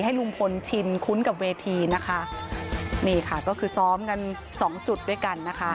ให้ลุงพลชินคุ้นกับเวทีนะคะนี่ค่ะก็คือซ้อมกันสองจุดด้วยกันนะคะ